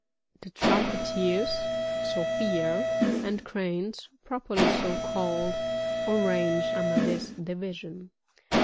31. The Trumpetef*8, — Psophiuj — and Cranes properly so ealled, are ranged under this division.